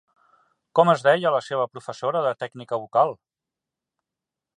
Com es deia la seva professora de tècnica vocal?